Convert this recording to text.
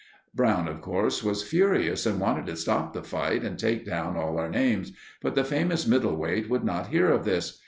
Brown, of course, was furious and wanted to stop the fight and take down all our names; but the famous middle weight would not hear of this.